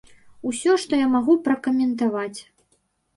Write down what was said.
Усё, што я магу пракаментаваць.